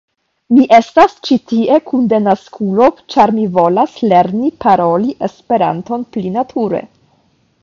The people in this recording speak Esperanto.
Mi estas ĉi tie kun denaskulo ĉar mi volas lerni paroli Esperanton pli nature